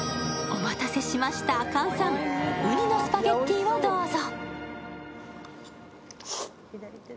お待たせしました菅さん、うにのスパゲッティをどうぞ。